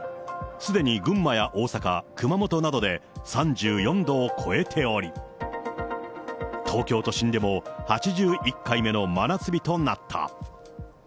すでに群馬や大阪、熊本などで３４度を超えており、東京都心でも８１回目の真夏日となった。